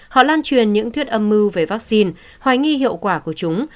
họ lan truyền những thuyết âm mưu về vaccine hoài nghi hiệu quả của chúng